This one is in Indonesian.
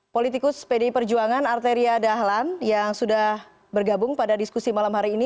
politikus pdi perjuangan arteria dahlan yang sudah bergabung pada diskusi malam hari ini